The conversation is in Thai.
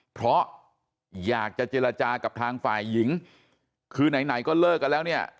เพราะอยากจะเจรจากับทางฝ่ายหญิงคือไหนไหนก็เลิกกันแล้วเนี่ย